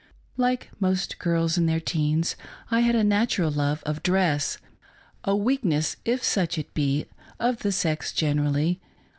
Like most girls in their teens I had a natural love of dress — a weakness, if such it be, of the sex generally.